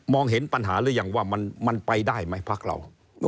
เห็นปัญหาหรือยังว่ามันไปได้ไหมพักเรา